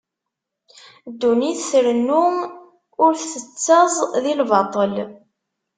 Ddunit trennu ur tettaẓ di lbaṭel.